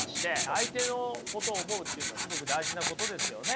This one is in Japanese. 相手のことを思うっていうのはすごく大事なことですよね。